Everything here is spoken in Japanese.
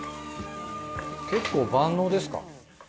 結構万能ですか？